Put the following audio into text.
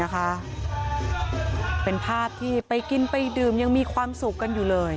ก็ว่าตายอีกบ้าน